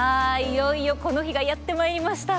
いよいよこの日がやってまいりました。